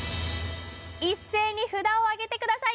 一斉に札をあげてください